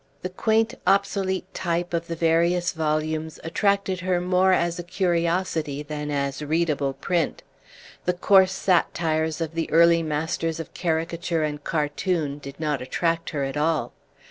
The quaint, obsolete type of the various volumes attracted her more as a curiosity than as readable print; the coarse satires of the early masters of caricature and cartoon did not attract her at all.